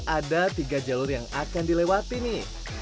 ada tiga jalur yang akan dilewati nih